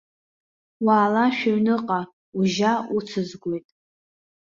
Уаала шәыҩныҟа, ужьа уцызгоит.